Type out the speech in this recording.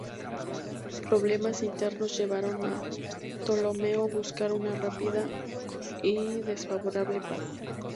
Problemas internos llevaron a Ptolomeo buscar una rápida y desfavorable paz.